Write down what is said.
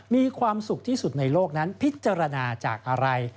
มีความสุขที่สุดในโลกนั้นพิจารณาจากอะไร